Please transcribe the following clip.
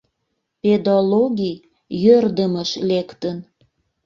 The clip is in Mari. Педологий йӧрдымыш лектын.